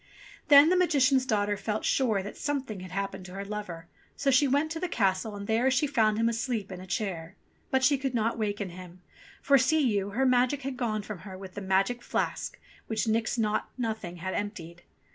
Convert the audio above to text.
Then the Magician's daughter felt sure that something had happened to her lover ; so she went to the castle, and there she found him fast asleep in a chair. But she could not waken him, for, see you, her magic had gone from her with the magic flask which Nix Naught Nothing had emptied.